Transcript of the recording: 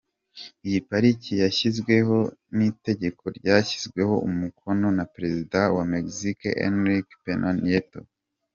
Iyi pariki yashyizweho n’ itegeko ryashyizweho umukono na Perezida wa Mexique Enrique Pena Nieto.